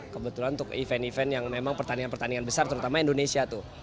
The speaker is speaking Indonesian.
kebetulan untuk event event yang memang pertandingan pertandingan besar terutama indonesia tuh